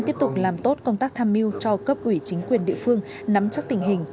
tiếp tục làm tốt công tác tham mưu cho cấp ủy chính quyền địa phương nắm chắc tình hình